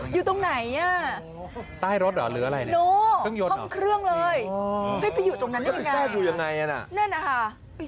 อยู่ตรงไหนนี่